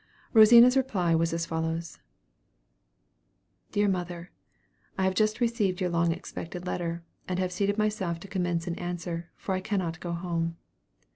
Rosina's reply was as follows: "DEAR MOTHER. I have just received your long expected letter, and have seated myself to commence an answer, for I cannot go home.